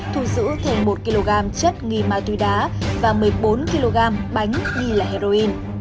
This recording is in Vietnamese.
thu giữ thêm một kg chất nghi ma túy đá và một mươi bốn kg bánh nghi là heroin